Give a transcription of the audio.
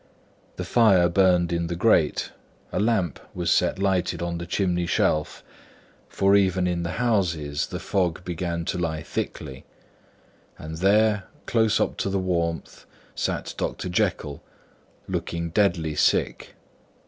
The fire burned in the grate; a lamp was set lighted on the chimney shelf, for even in the houses the fog began to lie thickly; and there, close up to the warmth, sat Dr. Jekyll, looking deathly sick.